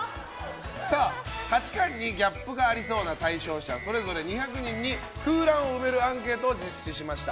価値観にギャップがありそうな対象者それぞれ２００人に空欄を埋めるアンケートを実施しました。